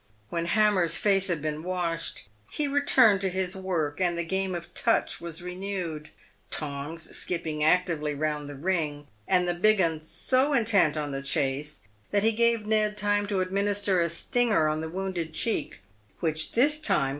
When Hammer's face had been washed, he returned to his work, and the game of touch was renewed, Tongs skipping actively round the ring, and the big 'un so intent on the chase that he gave Ned time to administer a stinger on the wounded cheek, which this time PAVED WITH GOLD.